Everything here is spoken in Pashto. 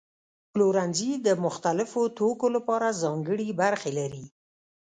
پلورنځي د مختلفو توکو لپاره ځانګړي برخې لري.